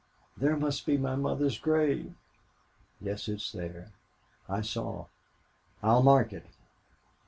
There must be my mother's grave." "Yes, it's there. I saw. I will mark it....